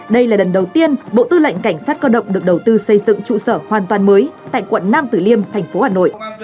đây là lần đầu tiên bộ tư lệnh cảnh sát cơ động được đầu tư xây dựng trụ sở hoàn toàn mới tại quận nam tử liêm thành phố hà nội